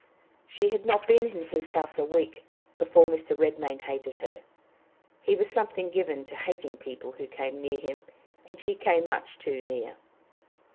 She had not been in his house a week before Mr. Redmain hated her. He was something given to hating people who came near him, and she came much too near.